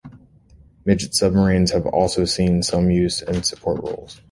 Midget submarines have also seen some use in support roles.